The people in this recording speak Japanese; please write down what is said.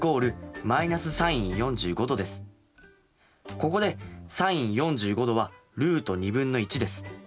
ここでｓｉｎ４５°はルート２分の１です。